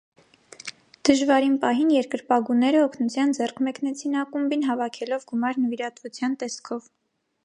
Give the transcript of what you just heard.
Դժվարին պահին երկրպագուները օգնության ձեռք մեկնեցին ակումբին՝ հավաքելով գումար նվիրատվության տեսքով։